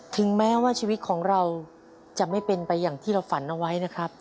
ถึงแม้ว่าชีวิตของเราจะไม่เป็นไปอย่างที่เราฝันเอาไว้นะครับ